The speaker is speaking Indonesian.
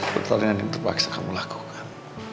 pertarungan yang terpaksa kamu lakukan